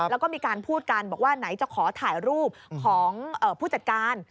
แล้วก็มีการพูดกันบอกว่าไหนจะขอถ่ายรูปของผู้จัดการ